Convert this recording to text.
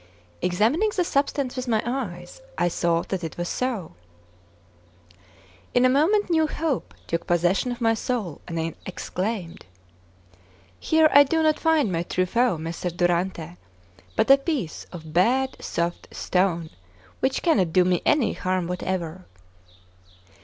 Examining the substance with my eyes, I saw that it was so. In a moment new hope took possession of my soul, and I exclaimed: "Here I do not find my true foe, Messer Durante, but a piece of bad soft stone, which cannot do me any harm whatever!"